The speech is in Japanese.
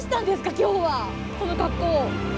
今日は、この格好。